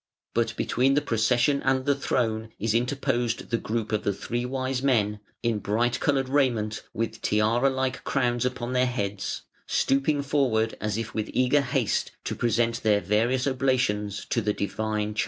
But between the procession and the throne is interposed the group of the three Wise Men, in bright coloured raiment, with tiara like crowns upon their heads, stooping forward as if with eager haste to present their various oblations to the Divine Child.